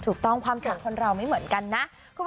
ถูกต้องความสุขคนเราไม่เหมือนกันนะ